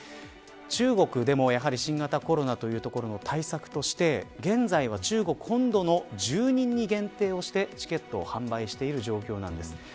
中国でもやはり新型コロナというところの対策として、現在は中国本土の住人に限定をしてチケットを販売している状況です。